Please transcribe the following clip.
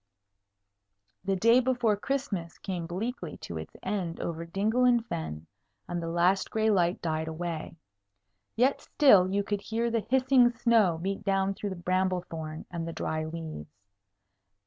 The day before Christmas came bleakly to its end over dingle and fen, and the last gray light died away. Yet still you could hear the hissing snow beat down through the bramble thorn and the dry leaves.